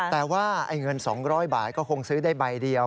แต่ว่าเงิน๒๐๐บาทก็คงซื้อได้ใบเดียว